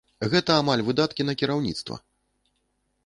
Гэта амаль выдаткі на кіраўніцтва!